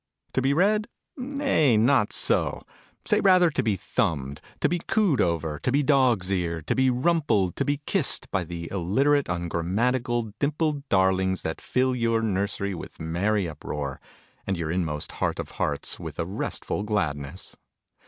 To be read? Nay, not so! Digitized by Google P R E F A C E (continued). Say rather to be thumbed, to be cooed over, to be dogs' eared, to be rumpled, to be kissed, by the illiterate, ungrammatical, dimpled Darlings, that fill your Nursery with merry uproar, and your inmost heart of hearts with a restful gladness